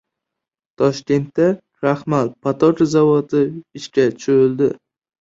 Toshkentda kraxmal-patoka zavodi ishga tushirildi